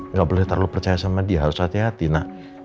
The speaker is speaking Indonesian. nggak boleh terlalu percaya sama dia harus hati hati nak